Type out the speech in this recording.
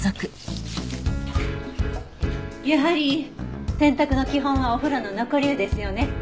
やはり洗濯の基本はお風呂の残り湯ですよね。